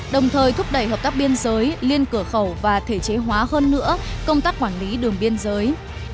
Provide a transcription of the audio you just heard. đồng thời thúc đẩy hợp tác biên giới liên cửa khẩu và thể chế hóa hơn nữa công tác quản lý đường biên giới